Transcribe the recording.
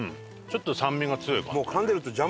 ちょっと酸味が強い感じ。